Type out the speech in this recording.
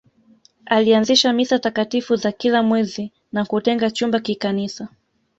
Alianzisha Misa takatifu za kila mwezi na kutenga chumba kikanisa